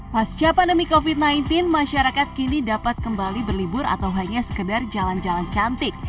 pasca pandemi covid sembilan belas masyarakat kini dapat kembali berlibur atau hanya sekedar jalan jalan cantik